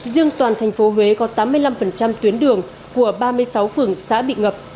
riêng toàn thành phố huế có tám mươi năm tuyến đường của ba mươi sáu phường xã bị ngập